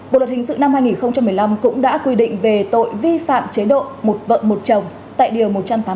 bộ luật hình sự năm hai nghìn một mươi năm cũng đã quy định về tội vi phạm chế độ một vợ một chồng tại điều một trăm tám mươi tám